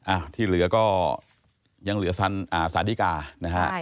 ที่เหลือก็ยังเหลือสาธิกานะฮะ